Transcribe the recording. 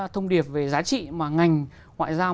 thông điệp về giá trị mà ngành ngoại giao